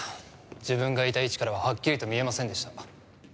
自分がいた位置からははっきりと見えませんでした。